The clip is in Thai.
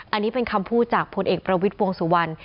อันนี้เป็นคำพูดจากพลเอกประวิทย์วงสุวรรณ